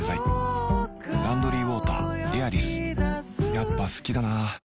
やっぱ好きだな